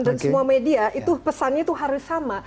dan semua media itu pesannya itu harus sama